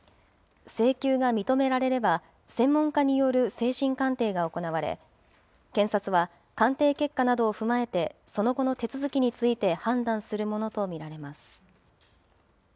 請求が認められれば、専門家による精神鑑定が行われ、検察は鑑定結果などを踏まえて、その後の手続きについて判断するものと見られます。